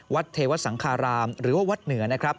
วัดเทวะสังฆารามหรือว่าวัดเหนือ